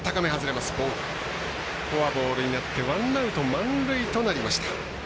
フォアボールになってワンアウト満塁となりました。